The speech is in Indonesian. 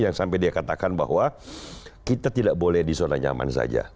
yang sampai dia katakan bahwa kita tidak boleh di zona nyaman saja